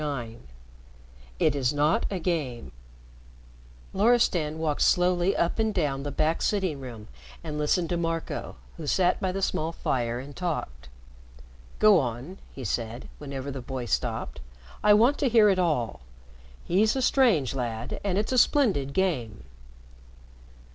IX "IT IS NOT A GAME" Loristan walked slowly up and down the back sitting room and listened to Marco, who sat by the small fire and talked. "Go on," he said, whenever the boy stopped. "I want to hear it all. He's a strange lad, and it's a splendid game."